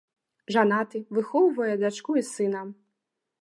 Жанаты, выхоўвае дачку і сына.